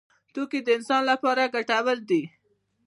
توکي د انسان لپاره ګټور دي.